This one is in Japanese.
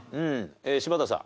柴田さん。